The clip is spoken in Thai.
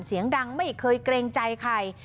เสียงดังไม่เคยเกรงใจใคร